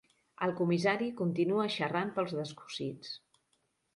El comissari continua xerrant pels descosits.